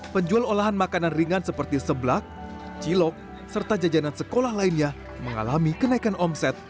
penjual olahan makanan ringan seperti seblak cilok serta jajanan sekolah lainnya mengalami kenaikan omset